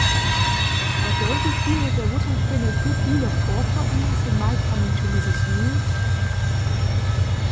'But don't you feel that there would have been a good deal of awkwardness in my coming to Mrs Yule's?